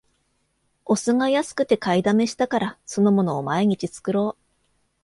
お酢が安くて買いだめしたから、酢の物を毎日作ろう